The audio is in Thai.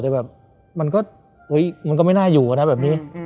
แต่แบบมันก็ไม่น่าอยู่อะนะแบบนี้